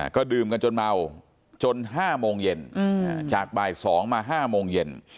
ก็ดื่มกันจนเมาจน๕โมงเย็นจากบ่าย๒มา๕โมงเย็น